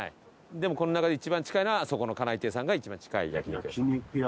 でもこの中で一番近いのはそこのカナイテイさんが一番近い焼肉屋。